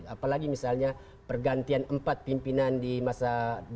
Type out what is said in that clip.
apalagi misalnya pergantian empat pimpinan di masa dua ribu empat belas dua ribu sembilan belas